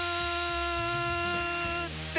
って